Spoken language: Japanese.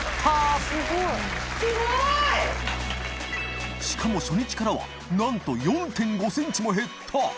すごい！磴靴初日からはなんと４．５ｃｍも減った！